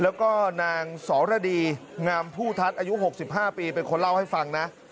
แล้วก็นางสรดีงามผู้ทัศน์อายุ๖๕ปีเป็นคนเล่าให้ฟังนะ